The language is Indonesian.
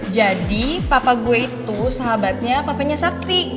jadi papa gue itu sahabatnya papanya sakti